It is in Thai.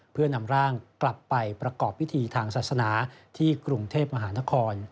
เพื่อนำร่างกลับไปประกอบพิธีทางศาสนาที่กรุงเทพมหานคร